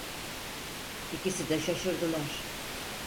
İkisi de şaşırdılar.